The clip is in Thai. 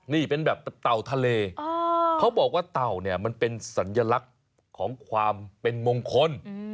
นี่เป็นแบบเต่าทะเลเขาบอกว่าเต่าเนี่ยมันเป็นสัญลักษณ์ของความเป็นมงคล